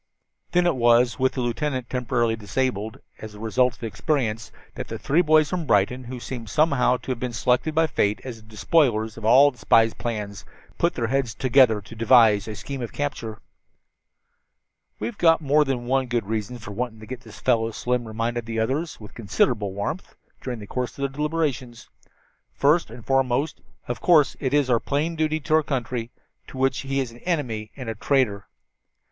Then it was, with the lieutenant temporarily disabled as a result of his experience, that the three boys from Brighton, who seemed somehow to have been selected by Fate as the despoilers of all the spy's plans, put their heads together to devise a scheme of capture. "We've got more than one good reason for wanting to get this fellow," Slim reminded the others with considerable warmth, during the course of their deliberations. "First and foremost, of course, is our plain duty to our country, to which he is an enemy and a traitor.